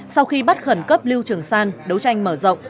sau khi bắt khẩn cấp lưu trường sa đấu tranh mở rộng